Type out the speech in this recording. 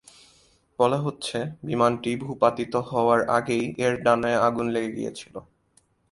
বলা হচ্ছে, বিমানটি ভূপাতিত হওয়ার আগেই এর ডানায় আগুন লেগে গিয়েছিল।